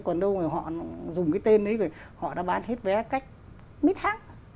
đến đâu họ dùng cái tên ấy rồi họ đã bán hết vé cách mấy tháng